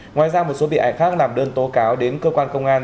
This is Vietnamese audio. ngoài ra một số bị hại khác làm đơn tố cáo đến cơ quan công an